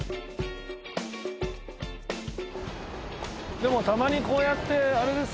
でもたまにこうやってあれですね